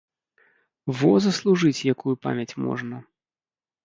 Во заслужыць якую памяць можна!